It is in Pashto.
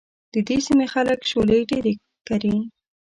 د دې سيمې خلک شولې ډېرې کري.